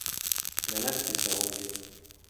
Ja nätti se onkin.